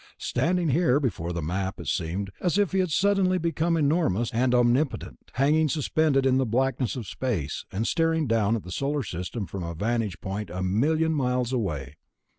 Standing here before the Map it seemed as if he had suddenly become enormous and omnipotent, hanging suspended in the blackness of space and staring down at the Solar System from a vantage point a million miles away.